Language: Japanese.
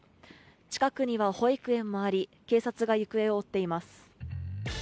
近くには保育園もあり、警察が行方を追っています。